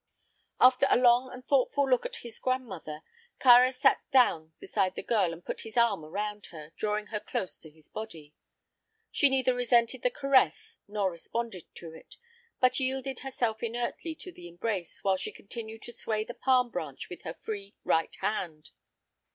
After a long and thoughtful look at his grandmother, Kāra sat down beside the girl and put his arm around her, drawing her close to his body. She neither resented the caress nor responded to it, but yielded herself inertly to the embrace while she continued to sway the palm branch with her free right arm.